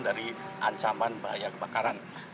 dari ancaman bahaya kebakaran